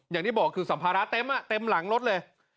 อย่างที่บอกคือสัมภาระเต็มอ่ะเต็มหลังรถเลย